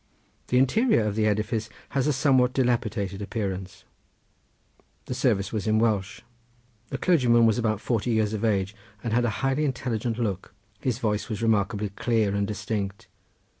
The interior of the edifice has a somewhat dilapidated appearance. The service was in Welsh. The clergyman was about forty years of age, and had a highly intelligent look. His voice was remarkably clear and distinct.